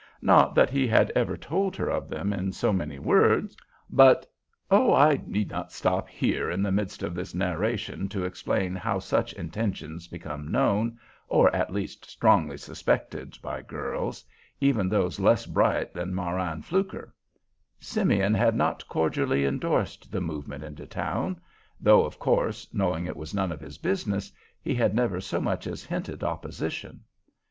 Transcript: Not that he had ever told her of them in so many words, but—Oh, I need not stop here in the midst of this narration to explain how such intentions become known, or at least strongly suspected by girls, even those less bright than Marann Fluker. Simeon had not cordially indorsed the movement into town, though, of course, knowing it was none of his business, he had never so much as hinted opposition.